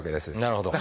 なるほど。